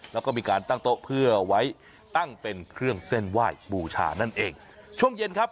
แล้วก็มีการตั้งโต๊ะเพื่อไว้ตั้งเป็นเครื่องเส้นไหว้บูชานั่นเองช่วงเย็นครับ